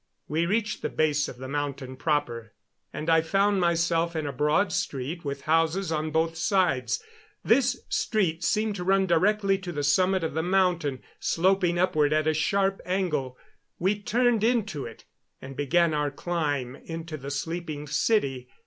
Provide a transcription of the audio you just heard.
We reached the base of the mountain proper, and I found myself in a broad street with houses on both sides. This street seemed to run directly to the summit of the mountain, sloping upward at a sharp angle. We turned into it and began our climb into the sleeping city.